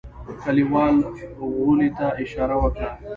کليوال غولي ته اشاره وکړه.